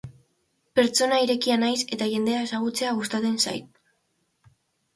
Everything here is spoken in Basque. Pertsona irekia naiz eta jendea ezagutzea gustatzen zait.